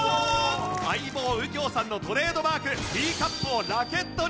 『相棒』右京さんのトレードマークティーカップをラケットに！